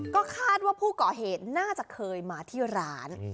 ก็คาดว่าผู้ก่อเหตุน่าจะเคยมาที่ร้าน